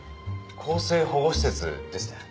更生保護施設ですね？